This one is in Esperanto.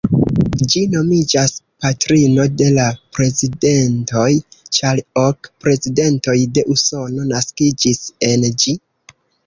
Ĝi nomiĝas "patrino de la prezidentoj", ĉar ok prezidentoj de Usono naskiĝis en ĝi.